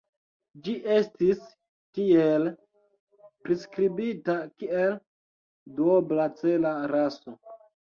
Ĝi estis tiele priskribita kiel duobla-cela raso.